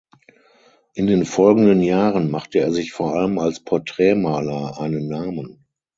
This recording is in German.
In den folgenden Jahren machte er sich vor allem als Porträtmaler einen Namen.